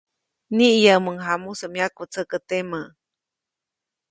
Niʼiyäʼmuŋ jamusä myakwätsäkä temä.